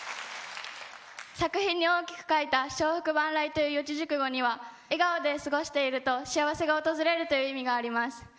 作品に大きく書いた「招福萬来」という四字熟語には笑顔で過ごしていると幸せが訪れるという意味があります。